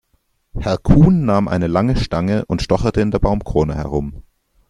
Herr Kuhn nahm eine lange Stange und stocherte in der Baumkrone herum.